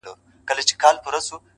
د مرگي راتلو ته ـ بې حده زیار باسه ـ